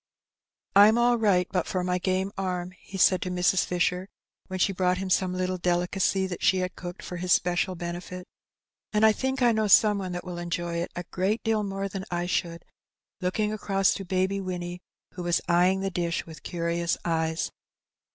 '^Pm all right but for my game arm,'' he said to Mrs. Fisher, when she brought him some little delicacy that she had cooked for his special benefit ;^^ and I think I know some one that will enjoy it a great deal more than I should," looking across to Baby Winnie, who was eyeing the dish with curious eyes.